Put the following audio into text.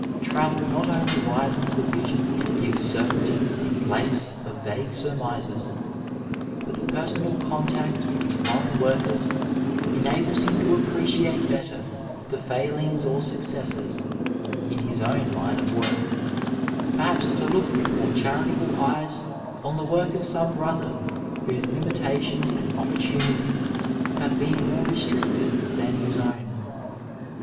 Travel not only widens the vision and gives certainties in place of vagne surmises, but the personal contact with foreign workers enables him to appreciate better the fsihngs or snccesses in his own line of work, perhaps to look with more charitable eyes on the work of some brother whose limitations and opportunities have been more restricted than his own.